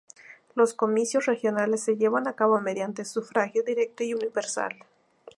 Los comicios regionales se llevan a cabo mediante sufragio directo y universal.